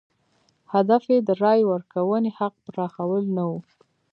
هدف یې د رایې ورکونې حق پراخوال نه و.